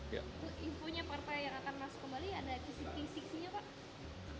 infonya partai yang akan masuk kembali ada kisik kisiknya pak